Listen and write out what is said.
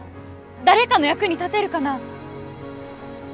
誰かの役に立てるかな？